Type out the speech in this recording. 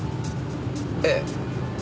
ええ。